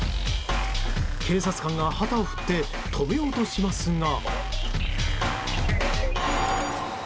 警察官が旗を振って止めようとしますが。